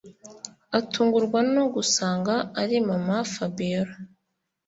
atungurwa no gusanga ari mama Fabiora